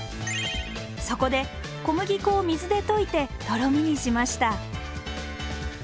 そこで小麦粉を水で溶いてとろみにしました。